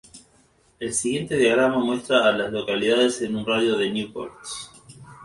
El siguiente diagrama muestra a las localidades en un radio de de Newport.